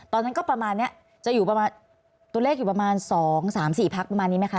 ตอนนั้นก็ประมาณนี้จะอยู่ประมาณตัวเลขอยู่ประมาณ๒๓๔พักประมาณนี้ไหมคะ